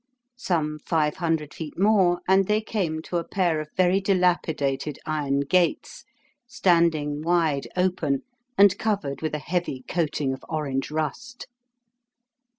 Some five hundred feet more, and they came to a pair of very dilapidated iron gates, standing wide open, and covered with a heavy coating of orange rust.